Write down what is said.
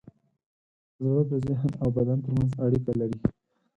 زړه د ذهن او بدن ترمنځ اړیکه لري.